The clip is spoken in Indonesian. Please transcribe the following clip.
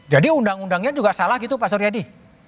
jadi undang undangnya juga salah gitu pak suryadi